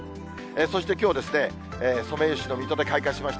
そしてきょう、ソメイヨシノ、水戸で開花しました。